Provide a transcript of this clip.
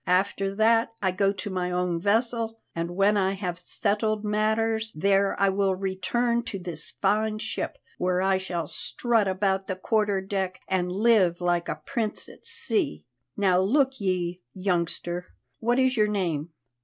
After that I go to my own vessel, and when I have settled matters there I will return to this fine ship, where I shall strut about the quarter deck and live like a prince at sea. Now look ye, youngster, what is your name?"